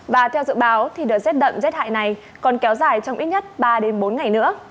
và theo dự báo thì đợt z đậm z hại này còn kéo dài trong ít nhất ba bốn ngày nữa